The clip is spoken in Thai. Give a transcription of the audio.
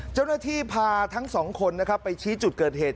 เจ้าหน้าที่พาทั้งสองคนนะครับไปชี้จุดเกิดเหตุ